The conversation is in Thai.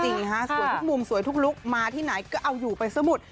สวยทุกมุมสวยทุกลุคมาที่ไหนก็เอาอยู่ไปสมุด